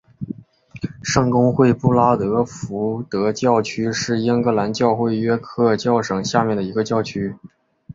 圣公会布拉德福德教区是英格兰教会约克教省下面的一个教区。